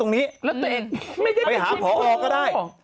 ตรงนี้ไปหาพอออก็ได้